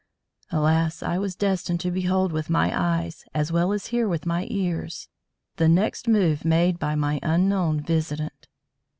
Alas! I was destined to behold with my eyes as well as hear with my ears the next move made by my unknown visitant.